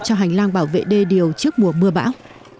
cho hành lang bảo vệ đê điều trước mùa mưa bão